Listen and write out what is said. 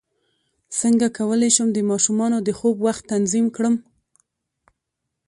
څنګه کولی شم د ماشومانو د خوب وخت تنظیم کړم